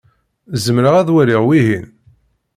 Zemreɣ ad waliɣ wihin?